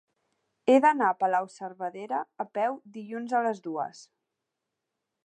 He d'anar a Palau-saverdera a peu dilluns a les dues.